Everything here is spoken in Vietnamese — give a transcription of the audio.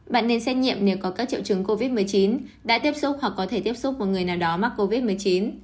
bạn nên xét nghiệm nếu có các triệu chứng covid một mươi chín đã tiếp xúc hoặc có thể tiếp xúc một người nào đó mắc covid một mươi chín